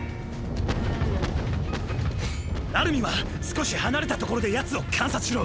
アルミンは少し離れた所で奴を観察しろ！！